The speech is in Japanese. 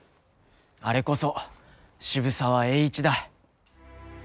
あれこそ渋沢栄一だ。